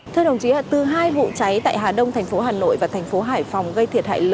thưa đồng chí từ hai vụ cháy tại hà đông thành phố hà nội và thành phố hải phòng gây thiệt hại lớn